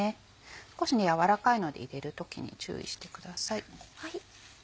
少し軟らかいので入れる時に注意してください。